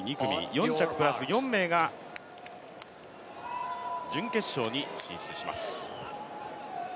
４着プラス４名が準決勝に進出します。